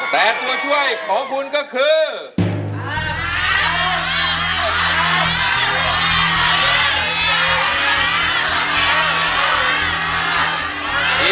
แต่ตัวช่วยของคุณก็คือ